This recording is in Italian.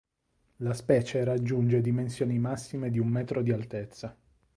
La specie raggiunge dimensioni massime di un metro di altezza.